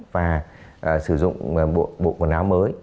và sử dụng bộ quần áo mới